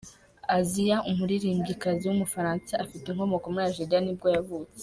Assia, umuririmbyikazi w’umufaransa ufite inkomoko muri Algeria nibwo yavutse.